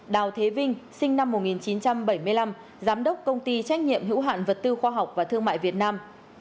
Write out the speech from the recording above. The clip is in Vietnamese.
đào thế vinh sinh năm một nghìn chín trăm bảy mươi năm giám đốc công ty trách nhiệm hữu hạn vật tư khoa học và thương mại việt nam